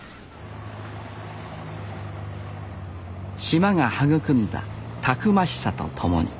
島が育んだたくましさと共に